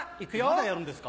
まだやるんですか？